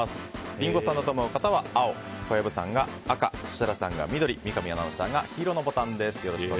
リンゴさんだと思う方は青小籔さんが赤設楽さんが緑三上アナウンサーが黄色です。